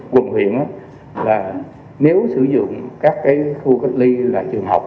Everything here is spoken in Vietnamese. quận huyện là nếu sử dụng các khu cách ly là trường học